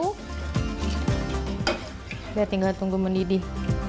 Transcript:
sudah tinggal tunggu mendidih